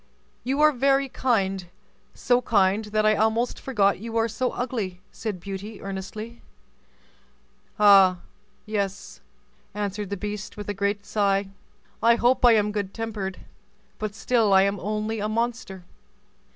"You are very kind—so kind that I almost forgot you are so ugly," said Beauty, earnestly. "Ah! yes," answered the beast, with a great sigh; "I hope I am good tempered, but still I am only a monster."